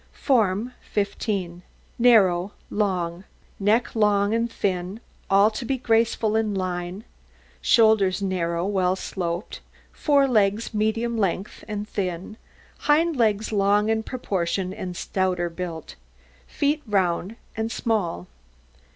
FORM 15 Narrow, long, neck long and thin, all to be graceful in line; shoulders narrow, well sloped; fore legs medium length and thin; hind legs long in proportion and stouter built; feet round and small.